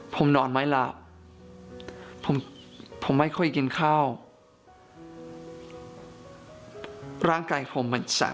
ไปฟังดีกว่า